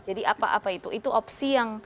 jadi apa apa itu itu opsi yang